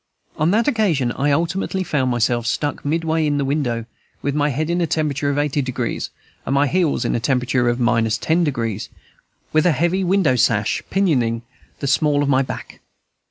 On that occasion I ultimately found myself stuck midway in the window, with my head in a temperature of 80 degrees, and my heels in a temperature of 10 degrees, with a heavy windowsash pinioning the small of my back.